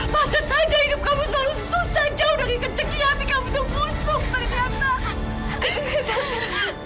patah saja hidup kamu selalu susah jauh dari kecekihan dikamu sebusuk perikatan